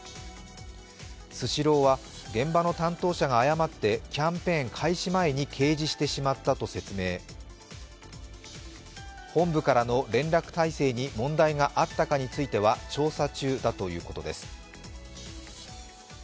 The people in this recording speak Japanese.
スシローは現場の担当者が誤ってキャンペーン開始前に掲示してしまったと説明、本部からの連絡体制に問題があったかについては調査中ということです。